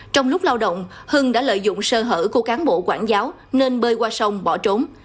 trong lúc lao động hưng đã lợi dụng sơ hở của cán bộ quản giáo nên bơi qua sông bỏ trốn